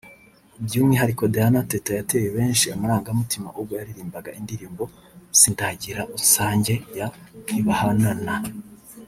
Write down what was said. By’umwihariko Diana Teta yateye benshi amarangamutima ubwo yaririmbaga indirimbo ‘Sindagira unsange ya Ntibahanana